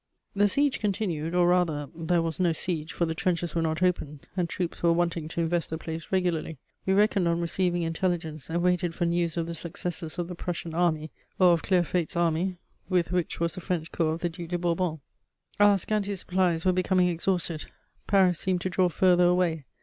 * The siege continued, or rather, there was no siege, for the trenches were not opened, and troops were wanting to invest the place regularly. We reckoned on receiving intelligence, and waited for news of the successes of the Prussian Army or of Clerfayt's Army, with which was the French corps of the Duc de Bourbon. Our scanty supplies were becoming exhausted; Paris seemed to draw farther away.